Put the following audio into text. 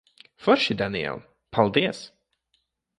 Forši, Daniel. Paldies.